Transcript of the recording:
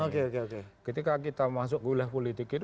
ketika kita masuk ke wilayah politik